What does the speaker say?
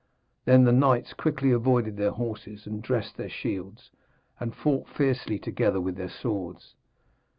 Then the knights quickly avoided their horses and dressed their shields, and fought fiercely together with their swords.